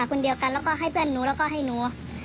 คนเดียวกันแล้วก็ให้เพื่อนหนูแล้วก็ให้หนู